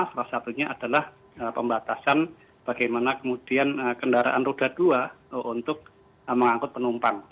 salah satunya adalah pembatasan bagaimana kemudian kendaraan roda dua untuk mengangkut penumpang